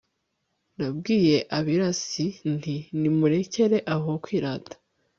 nabwiye abirasi nti 'nimurekere aho kwirata